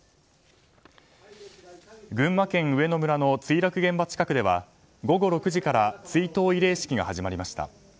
群馬県上野村の墜落現場近くでは午後６時から追悼慰霊式が始まりました。